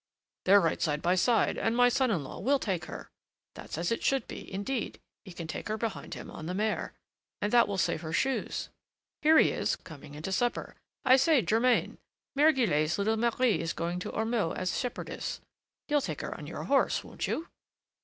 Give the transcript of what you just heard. "They're right side by side, and my son in law will take her. That's as it should be; indeed, he can take her behind him on the mare, and that will save her shoes. Here he is, coming in to supper. I say, Germain, Mère Guillette's little Marie is going to Ormeaux as shepherdess. You'll take her on your horse, won't you?"